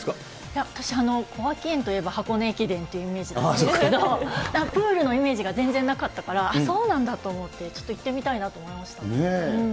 小涌園といえば、箱根駅伝というイメージが強くて、プールのイメージが全然なかったから、そうなんだと思って、ちょっと行ってみたいなと思いました。